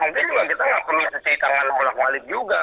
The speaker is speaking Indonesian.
mungkin juga kita tidak perlu mencuci tangan orang walid juga